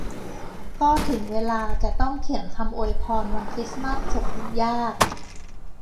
ก็ถึงเวลาจะต้องเขียนคำอวยพรวันคริสต์มาสส่งถึงญาติ